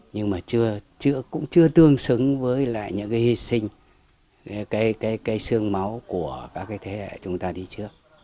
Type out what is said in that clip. nhưng mà cũng chưa tương xứng với lại những cái hi sinh cái sương máu của các cái thế hệ chúng ta đi trước